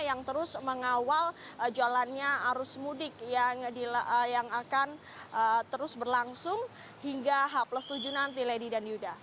yang terus mengawal jalannya arus mudik yang akan terus berlangsung hingga h tujuh nanti lady dan yuda